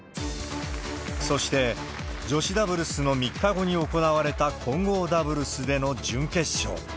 そして、女子ダブルスの３日後に行われた混合ダブルスでの準決勝。